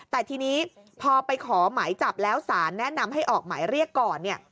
แต่ทีนี้พอไปขอหมายจับแล้วสารแนะนำให้ออกหมายเรียกก่อนเนี่ย